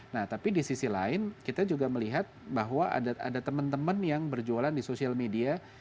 nah tapi di sisi lain kita juga melihat bahwa ada teman teman yang berjualan di sosial media